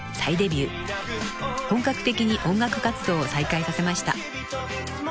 ［本格的に音楽活動を再開させました］